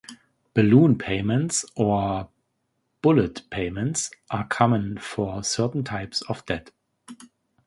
Balloon payments or bullet payments are common for certain types of debt.